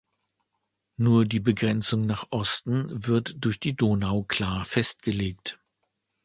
Nur die Begrenzung nach Osten wird durch die Donau klar festgelegt.